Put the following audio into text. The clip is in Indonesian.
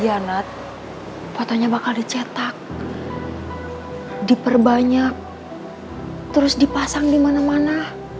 hianat fotonya bakal dicetak diperbanyak terus dipasang di mana mana